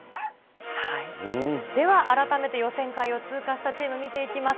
では改めて予選会を通過したチーム見ていきます。